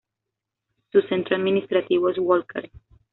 Su centro administrativo es Walker.